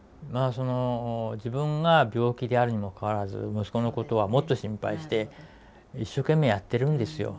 自分が病気であるにも関わらず息子のことはもっと心配して一生懸命やってるんですよ。